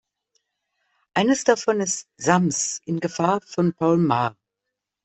Eines davon ist Sams in Gefahr von Paul Maar.